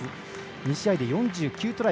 ２位試合で４９トライ